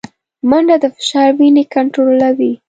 منډه د فشار وینې کنټرولوي